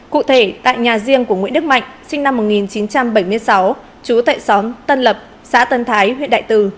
cụ thể tại nhà riêng của nguyễn đức mạnh sinh năm một nghìn chín trăm bảy mươi sáu chú tại xóm tân lập xã tân thái huyện đại từ